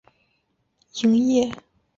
博新最后被刘家昌掏空而结束营业。